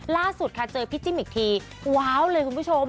ล่าสุดค่ะเจอพี่จิ้มอีกทีว้าวเลยคุณผู้ชม